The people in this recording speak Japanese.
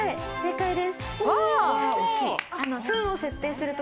正解です。